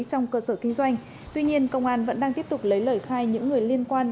trong cơ sở kinh doanh tuy nhiên công an vẫn đang tiếp tục lấy lời khai những người liên quan